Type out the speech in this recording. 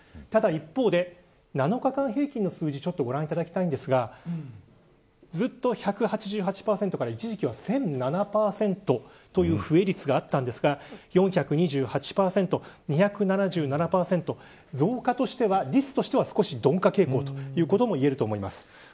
ただ一方で、７日間平均の数字をご覧いただきたいんですがずっと、１８８％から一時期は１００７％という増え率があったんですが４２８％、２７７％増加の率としては鈍化傾向といえると思います。